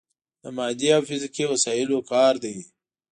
د مادي او فزیکي وسايلو کار دی.